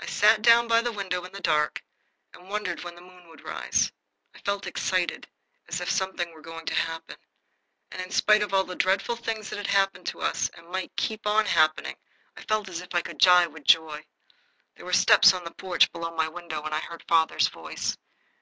I sat down by the window in the dark and wondered when the moon would rise. I felt excited as if something were going to happen. And in spite of all the dreadful things that had happened to us, and might keep on happening, I felt as if I could die with joy. There were steps on the porch below my window. I heard father's voice.